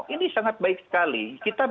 ini sangat baik sekali